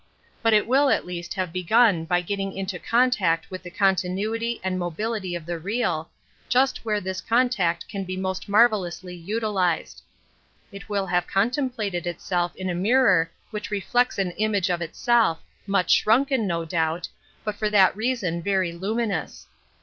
But it will at least have begun ty getting into contact with the continuity and mobility of the real, just where this contact can be most marvelously utilized. It will have contemplated itself in a mirror which reflects an image of itself, much shrunken, no doubt, but for that reason very luminous.